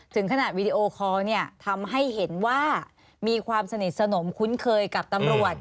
ถึงขนาดวีดีโอคอลเนี่ยทำให้เห็นว่ามีความสนิทสนมคุ้นเคยกับตำรวจ